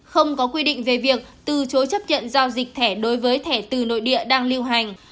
không có quy định về việc từ chối chấp nhận giao dịch thẻ đối với thẻ từ nội địa đang liêu hành